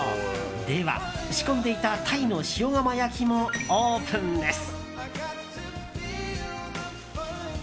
では、仕込んでいたタイの塩釜焼きもオープンです。